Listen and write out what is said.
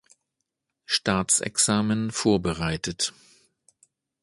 Staatsexamen vorbereitet.